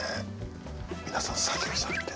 皆さん作業されて。